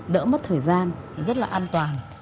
đỡ mất thời gian rất là an toàn